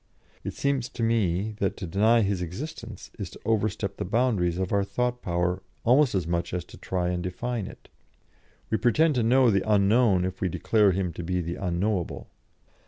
It seems to me that to deny His existence is to overstep the boundaries of our thought power almost as much as to try and define it. We pretend to know the Unknown if we declare Him to be the Unknowable.